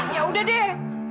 ya udah deh